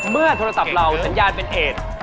เมื่อโทรศัพท์เราสัญญาณเป็นเอส